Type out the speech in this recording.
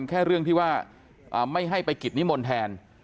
แค่เรื่องที่ว่าไม่ให้ไปกิจนิมนต์แทน